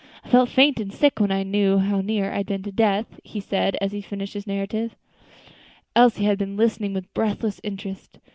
"I felt faint and sick when I knew how near I had been to death," he said, as he finished his narrative. Elsie had been listening with breathless interest.